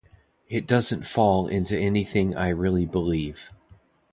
It doesn't fall into anything I really believe